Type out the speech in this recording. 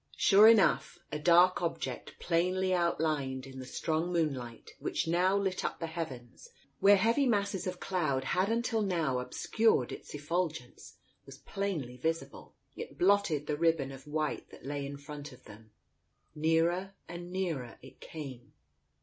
Sure enough, a dark object, plainly outlined in the strong moonlight which now lit up the heavens, where heavy masses of cloud had until now obscured its efful gence, was plainly visible. It blotted the ribbon of white that lay in front of them. ... Nearer and nearer it came.